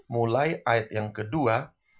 mulai ayat yang kedua